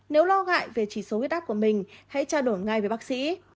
nếu lo ngại về chỉ số huyết áp của mình hãy trao đổi ngay với bác sĩ